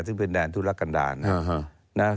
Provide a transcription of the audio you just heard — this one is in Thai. ซึ่งเป็นแดนธุรกันดาล